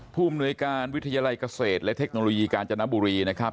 ภูมิหน่วยการวิทยาลัยเกษตรและเทคโนโลยีกาญจนบุรีนะครับ